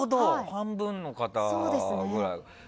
半分の方ぐらいか。